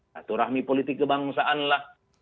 satu rahmi politik kebangsaan lah